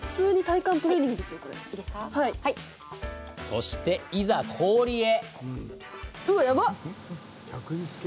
そして、いざ、氷へ。